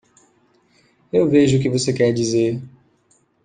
Eu vejo o que você quer dizer.